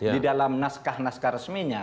di dalam naskah naskah resminya